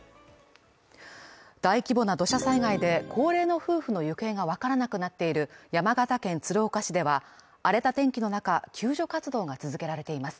大規模な土砂災害で高齢の夫婦の行方が分からなくなっている山形県鶴岡市では、荒れた天気の中救助活動が続けられています。